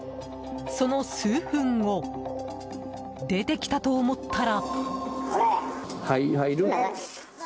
その数分後出てきたと思ったら。